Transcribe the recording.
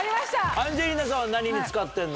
アンジェリーナさんは何に使ってんの？